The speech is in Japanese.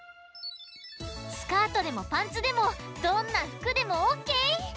スカートでもパンツでもどんなふくでもオッケー！